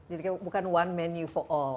jadi bukan one menu for all